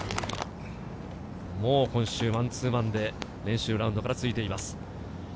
今週、マンツーマンで練習ラウンドからついています。